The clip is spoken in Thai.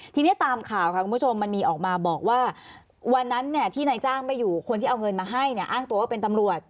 ทีนี้ตามข่าวค่ะคุณผู้ชมมันมีออกมาบอกว่าวันนั้นที่นายจ้างไม่อยู่คนที่เอาเงินมาให้เนี่ยอ้างตัวว่าเป็นตำรวจ